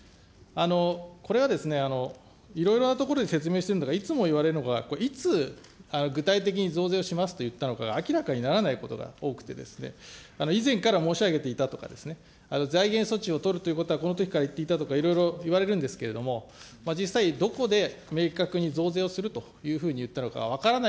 これはいろいろなところで説明してるのか、いつも言われるのが、いつ、具体的に増税をしますと言ったのか明らかにならないことが多くてですね、以前から申し上げていたとか、財源措置を取るということはこのときから言っていたとかいろいろいわれるんですけれども、実際、どこで明確に増税をするというふうに言ったのかが分からない